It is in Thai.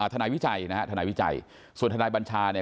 นายวิจัยนะฮะทนายวิจัยส่วนทนายบัญชาเนี่ย